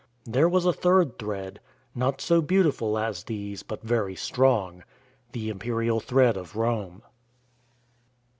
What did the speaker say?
There was a third thread — not so beautiful as these, but very strong — the imperial thread of Rome.